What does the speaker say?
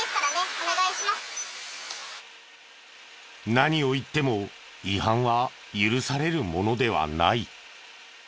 何を言っても違反は許されるものではない。